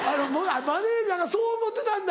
マネジャーがそう思うてたんだ。